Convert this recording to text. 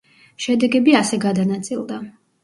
შედეგები ასე გადანაწილდა.